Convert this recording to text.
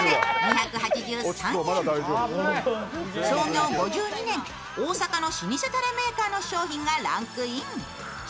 創業５２年、大阪の老舗たれメーカーの商品がランクイン。